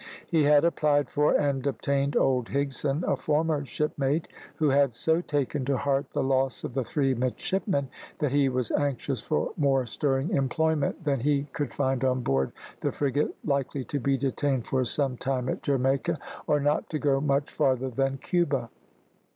He had applied for, and obtained old Higson, a former shipmate who had so taken to heart the loss of the three midshipmen that he was anxious for more stirring employment than he could find on board the frigate, likely to be detained for some time at Jamaica, or not to go much farther than Cuba.